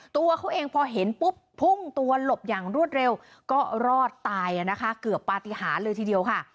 ตัวเขาเองพอเห็นปุ๊บพุ่งตัวหลบอย่างรวดเร็วก็รอดตายนะคะเกือบปฏิหารเลยทีเดียวค่ะ